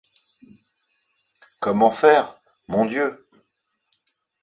Comment faire, mon Dieu ?